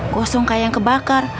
gosong kayak yang terbakar